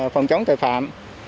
phòng chống tội phạm